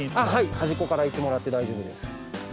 端っこからいってもらって大丈夫です。